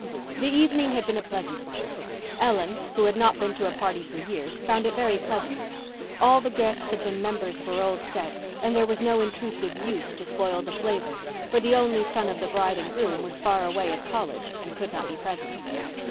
The evening had been a pleasant one. Ellen, who had not been to a party for years, found it very pleasant. All the guests had been members of her old set and there was no intrusive youth to spoil the flavour, for the only son of the bride and groom was far away at college and could not be present.